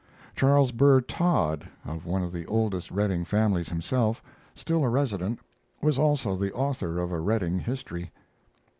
Charles Burr Todd, of one of the oldest Redding families, himself still a resident, was also the author of a Redding history.